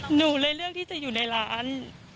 หนูเลยเลือกที่จะอยู่ในร้าน